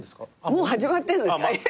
もう始まってんですか？